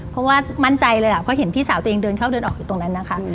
เพราะว่ามั่นใจเลยล่ะเพราะเห็นพี่สาวตัวเองเดินเข้าเดินออกอยู่ตรงนั้นนะคะ